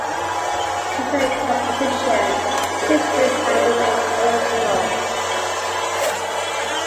Just the composition seems to have remained original.